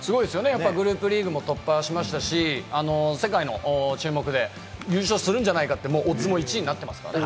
グループリーグ突破しましたし、世界の注目で優勝するんじゃないかって、オッズも１位になってますからね。